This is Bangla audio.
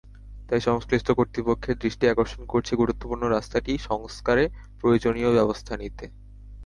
তাই সংশ্লিষ্ট কর্তৃপক্ষের দৃষ্টি আকর্ষণ করছি গুরুত্বপূর্ণ রাস্তাটি সংস্কারে প্রয়োজনীয় ব্যবস্থা নিতে।